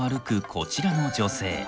こちらの女性。